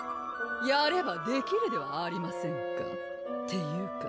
やればできるではありませんかっていうか